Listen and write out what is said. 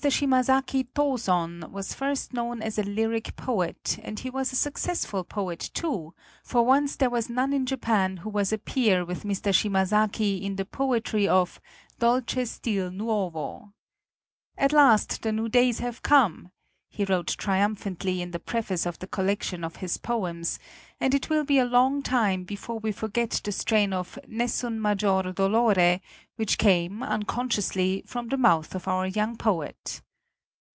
Shimazaki Toson was first known as a lyric poet, and he was a successful poet, too, for once there was none in Japan who was a peer with Mr. Shimazaki in the poetry of dolce stil nuovo. "At last the new days have come!" he wrote triumphantly in the preface of the collection of his poems, and it will be a long time before we forget the strain of Nessun maggior dolore which came, unconsciously, from xix INTRODUCTION the mouth of our young poet.